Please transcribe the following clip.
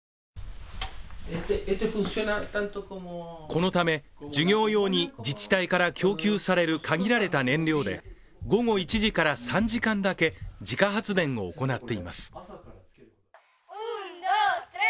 このため、授業用に、自治体から供給される限られた燃料で午後１時から３時間だけ、自家発電を行っています。